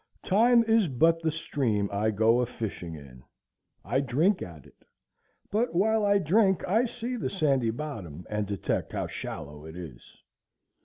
Time is but the stream I go a fishing in. I drink at it; but while I drink I see the sandy bottom and detect how shallow it is.